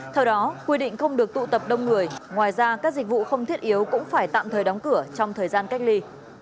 theo đó quy định không được tụ tập đông người ngoài ra các dịch vụ không thiết yếu cũng phải tạm thời đóng cửa trong thời gian cách ly